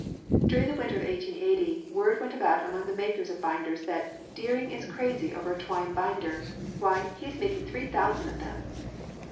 During the winter of 1880, word went about among the makers of binders that "Deering is crazy over a twine binder. Why, he is making three thousand of them."